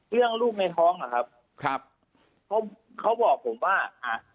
ลูกในท้องนะครับครับเขาเขาบอกผมว่าอ่ะ